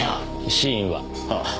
死因は？ああ。